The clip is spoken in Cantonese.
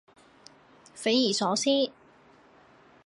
匪夷所思